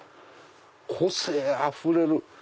個性あふれる。